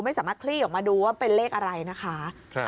ไม่สามารถคลี่ออกมาดูว่าเป็นเลขอะไรนะคะ